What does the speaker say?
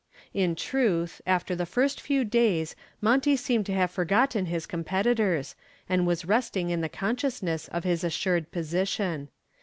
In truth after the first few days Monty seemed to have forgotten his competitors, and was resting in the consciousness of his assured position.